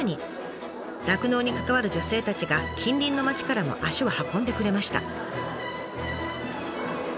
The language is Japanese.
酪農に関わる女性たちが近隣の町からも足を運んでくれました。